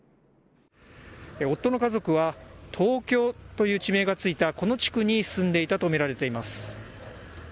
夫の家族は東京という地名がついたこの地区に住んでいたと見られています。